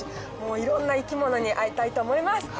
いろんな生き物に会いたいと思います！